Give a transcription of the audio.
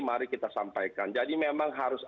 mari kita sampaikan jadi memang harus